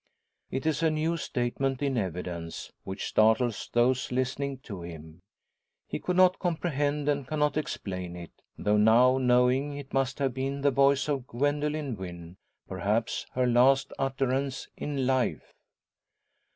It is a new statement in evidence, which startles those listening to him. He could not comprehend, and cannot explain it; though now knowing it must have been the voice of Gwendoline Wynn perhaps her last utterance in life.